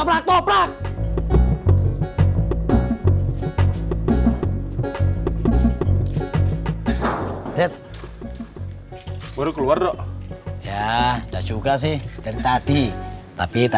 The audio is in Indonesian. lubang ada doang